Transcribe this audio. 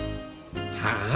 はあ？